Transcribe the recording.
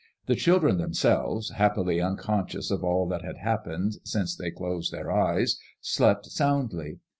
The children themselves, happily* unconscious of all that had happened since they closed their eyes, slept soundly.